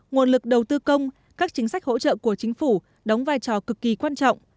nguồn lực đầu tư công các chính sách hỗ trợ của chính phủ đóng vai trò cực kỳ quan trọng